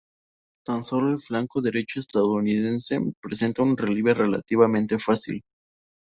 Tan solo el flanco derecho estadounidense presentaba un relieve relativamente fácil.